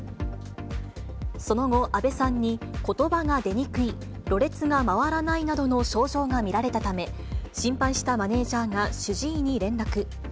その後、あべさんに、ことばが出にくい、ろれつが回らないなどの症状が見られたため、心配したマネージャーが主治医に連絡。